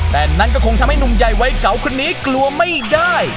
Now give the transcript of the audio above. แต่นั้นก็คงทำให้หนุ่มใหญ่วัยเก่าคนนี้กลัวไม่ได้